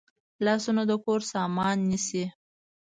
لاسونه د کور سامان نیسي